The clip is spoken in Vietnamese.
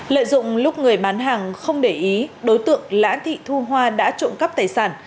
lợi dụng lúc người bán hàng không để ý đối tượng lã thị thu hoa đã trộm cắp tài sản